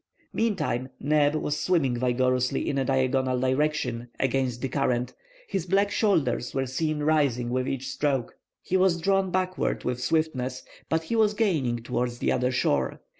Meantime, Neb was swimming vigorously in a diagonal direction, against the current; his black shoulders were seen rising with each stroke. He was drawn backward with swiftness, but he was gaining towards the other shore.